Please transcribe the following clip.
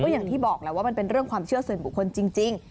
อย่างที่บอกแล้วว่ามันเป็นเรื่องความเชื่อส่วนบุคคลจริง